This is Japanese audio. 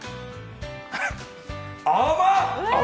甘っ！